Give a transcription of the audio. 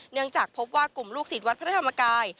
เนื่องจากพบว่ากลุ่มลูกศิษย์วัดพระธรรมกาย